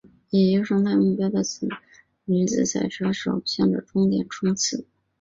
以优胜为目标的女子赛车手向着终点冲刺！